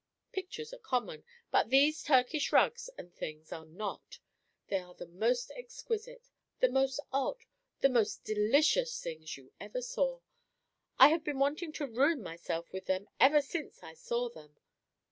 Pictures are common; but these Turkish rugs and things are not. They are the most exquisite, the most odd, the most delicious things you ever saw. I have been wanting to ruin myself with them ever since I saw them.